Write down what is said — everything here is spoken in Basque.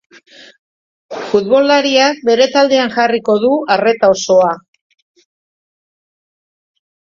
Futbolariak bere taldean jarriko du arreta osoa.